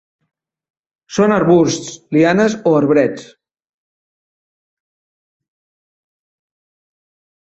Són arbusts, lianes o arbrets.